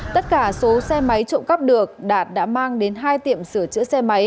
tất cả số xe máy trộm cắp được đạt đã mang đến hai tiệm sửa chữa xe máy